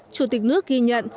chủ tịch nước ghi nhận